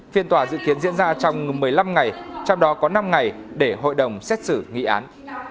phiên tòa dự kiến diễn ra trong một mươi năm ngày trong đó có năm ngày để hội đồng xét xử nghị án